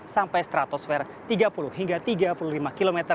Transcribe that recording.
sampai stratosfer tiga puluh hingga tiga puluh lima km